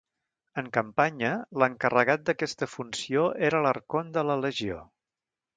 En campanya, l'encarregat d'aquesta funció era l'arcont de la legió.